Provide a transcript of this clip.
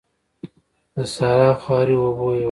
د سارا خواري اوبو يوړه.